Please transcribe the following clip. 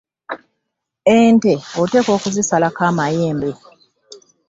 Ente otekwa okuzisalako amayembe.